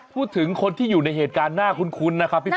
พูดถึงคนที่อยู่ในเหตุการณ์น่าคุ้นนะครับพี่ฝน